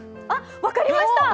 分かりました！